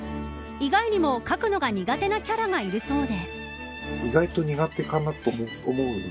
意外にも、描くのが苦手なキャラがいるそうで。